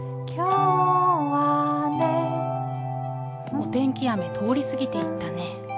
お天気雨通り過ぎていったね。